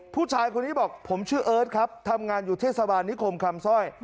ผู้ชายคนนี้บอกผมชื่อเอิร์ทครับทำงานอยู่เทศบาลนิคมคำสร้อย